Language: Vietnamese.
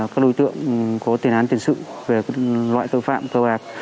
các đối tượng có tiền án tiền sự về loại tội phạm cơ bạc